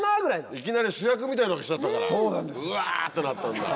いきなり主役みたいなのが来ちゃったから「うわ！」となったんだ。